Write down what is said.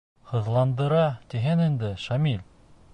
— Һыҙландыра, тиһең инде, Шамил?